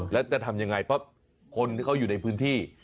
แล้วจะทำยังไงเพราะคนที่เขาอยู่ในพื้นที่